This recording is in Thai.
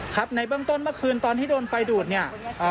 ครับในเบื้องต้นเมื่อคืนตอนที่โดนไฟดูดเนี่ย